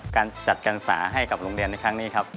การจัดการสาให้กับโรงเรียนในครั้งนี้ครับ